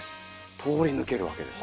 通り抜けるわけです。